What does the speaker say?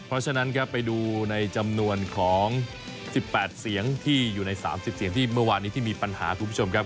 เพราะฉะนั้นครับไปดูในจำนวนของ๑๘เสียงที่อยู่ใน๓๐เสียงที่เมื่อวานนี้ที่มีปัญหาคุณผู้ชมครับ